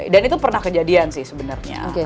dan itu pernah kejadian sih sebenarnya